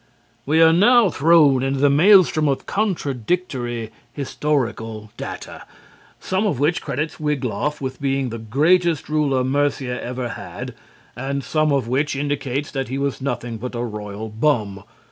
We are now thrown into the maelstrom of contradictory historical data, some of which credits Wiglaf with being the greatest ruler Mercia ever had and some of which indicates that he was nothing but a royal bum.